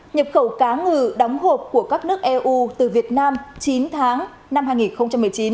nhập khẩu cá ngừ đóng hộp của các nước eu từ việt nam chín tháng năm hai nghìn một mươi chín